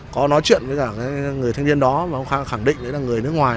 có nói chuyện với cả người thanh niên đó mà ông khẳng định đấy là người nước ngoài